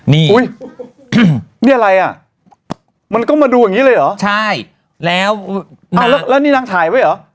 นี่อุ้ยนี่อะไรอ่ะมันก็มาดูอย่างงี้เลยเหรอใช่แล้วแล้วนี่นางถ่ายไว้เหรอ